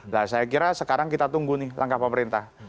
nah saya kira sekarang kita tunggu nih langkah pemerintah